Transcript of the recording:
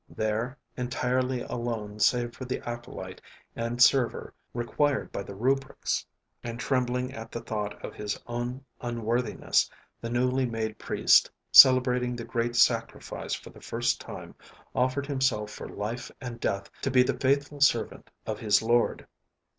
There, entirely alone save for the acolyte and server required by the rubrics, and trembling at the thought of his own unworthiness, the newly made priest, celebrating the great Sacrifice for the first time, offered himself for life and death to be the faithful servant of his Lord.